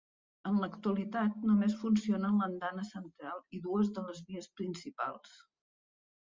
En l'actualitat només funcionen l'andana central i dues de les vies principals.